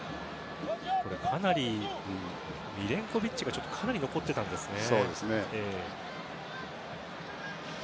ミレンコヴィッチがかなり残ってたんですね。